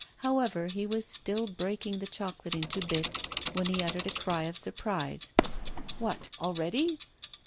However, he was still breaking the chocolate into bits, when he uttered a cry of surprise, 'What, already?